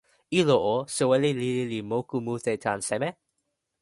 ilo o, soweli lili li moku mute tan seme?